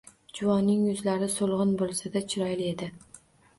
Juvonning yuzlari so`lg`in bo`lsa-da, chiroyli edi